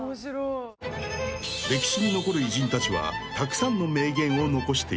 ［歴史に残る偉人たちはたくさんの名言を残している］